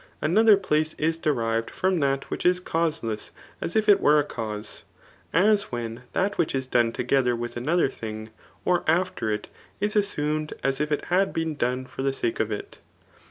] Another place is derived from that which is causeless as if it were a cause ; as when that which is done together with another thing, or after it, is assumed as if it had been done for the sake of it.